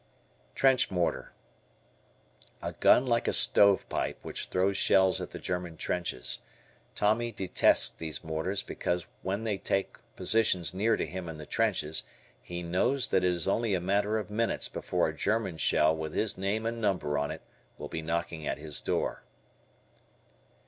Trench Mortar. A gun like a stove pipe which throws shells at the German trenches. Tommy detests these mortars because when they take positions near to him in the trenches, he knows that it is only a matter of minutes before a German Shell with his name and number on it will be knocking at his door.